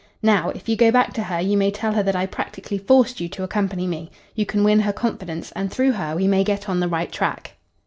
Now, if you go back to her you may tell her that I practically forced you to accompany me. You can win her confidence, and through her we may get on the right track."